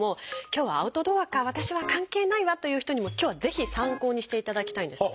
今日はアウトドアか私は関係ないわという人にも今日はぜひ参考にしていただきたいんです。